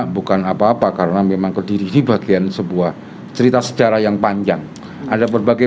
bukan apa apa karena memang kediri di bagian sebuah cerita sejarah yang panjang ada berbagai